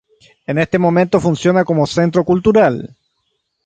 En este momento funciona como Centro cultural.